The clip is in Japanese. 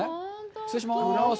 失礼します。